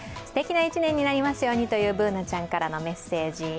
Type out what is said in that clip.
ステキな１年になりますようにというＢｏｏｎａちゃんからのメッセージ。